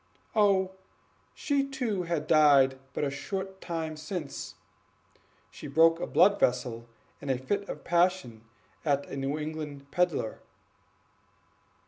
"Oh, she too had died but a short time since; she broke a blood vessel in a fit of passion at a New England peddler."